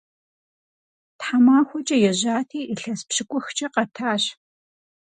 Тхьэмахуэкӏэ ежьати, илъэс пщыкӏухкӏэ къэтащ.